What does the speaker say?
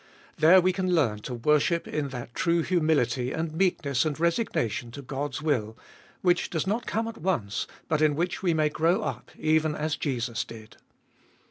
There we can learn to worship in that true humility and meekness and resignation to God's will, which does not come at once, but in which we may grow up even as Jesus did.